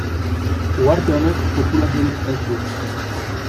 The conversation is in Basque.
Uharte honek populaziorik ez du.